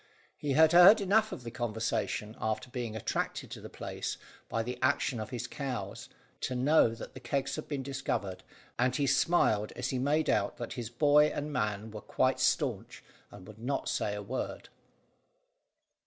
He had heard enough of the conversation, after being attracted to the place by the action of his cows, to know that the kegs had been discovered, and he smiled as he made out that his boy and man were quite staunch, and would not say a word.